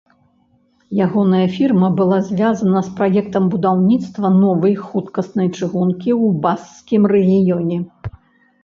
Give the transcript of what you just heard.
Ягоная фірма была звязана з праектам будаўніцтва новай хуткаснай чыгункі ў баскскім рэгіёне.